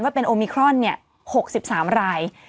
เป็นโอมิครอน๖๓ราย